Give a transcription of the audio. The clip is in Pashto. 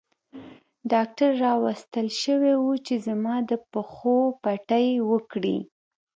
ډاکټر راوستل شوی وو چې زما د پښو پټۍ وکړي.